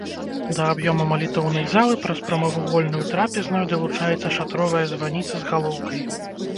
Да аб'ёма малітоўнай залы праз прамавугольную трапезную далучаецца шатровая званіца з галоўкай.